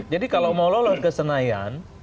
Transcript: jadi kalau mau lolos ke senayan